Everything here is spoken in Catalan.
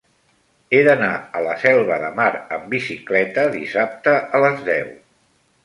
He d'anar a la Selva de Mar amb bicicleta dissabte a les deu.